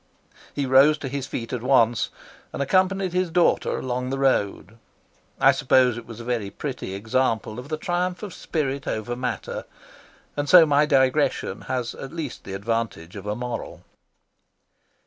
He rose to his feet at once, and accompanied his daughter along the road. I suppose it was a very pretty example of the triumph of spirit over matter, and so my digression has at least the advantage of a moral.